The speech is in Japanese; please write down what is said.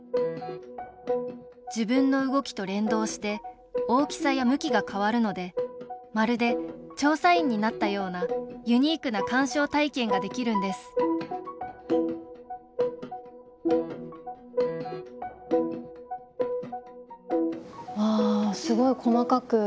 自分の動きと連動して大きさや向きが変わるのでまるで調査員になったようなユニークな鑑賞体験ができるんですうわ、すごい細かく描いてある。